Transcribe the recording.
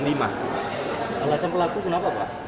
alasan pelaku kenapa pak